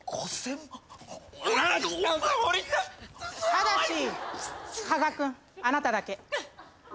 ただし加賀君あなただけ。